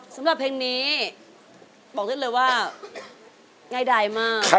สำหรับเพลงนี้บอกได้เลยว่าง่ายดายมาก